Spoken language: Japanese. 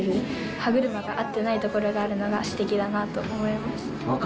歯車が合っていないとこがあるのがすてきだなと思います。